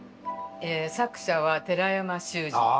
作者は寺山修司。